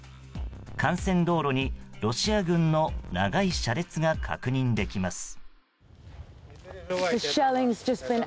幹線道路にロシア軍の長い車列が確認できます。